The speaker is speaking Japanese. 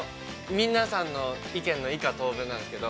皆さんの意見の以下同文なんですけど。